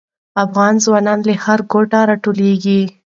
افغان ځواکونه له هر ګوټه راټولېږي.